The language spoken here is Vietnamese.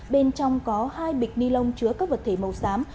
bên trong có hai bịch ni lông chứa các vật thể màu xám